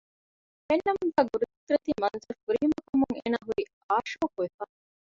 ފެންނަމުންދާ ޤުދުރަތީ މަންޒަރުގެ ފުރިހަމަކަމުން އޭނާ ހުރީ އާޝޯހުވެފަ